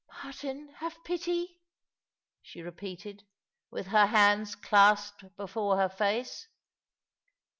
" Martin, have pity 1 " she repeated, with her hands clasped before her face.